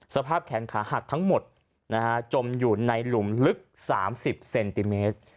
สภาพแขนขาหักทั้งหมดจมอยู่ในหลุมลึก๓๐เซนติเมตร